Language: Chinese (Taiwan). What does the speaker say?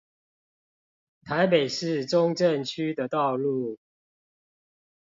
台北市中正區的道路